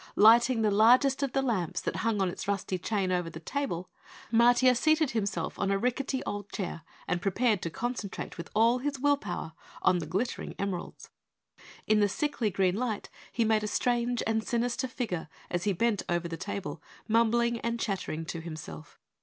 Lighting the largest of the lamps that hung on its rusty chain over the table, Matiah seated himself on a rickety old chair and prepared to concentrate with all his will power on the glittering emeralds. In the sickly green light he made a strange and sinister figure as he bent over the table, mumbling and chattering to himself.